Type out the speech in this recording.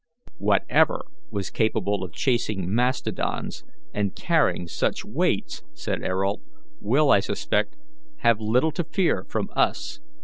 "Whatever was capable of chasing mastodons and carrying such weights," said Ayrault, "will, I suspect, have little to fear from us.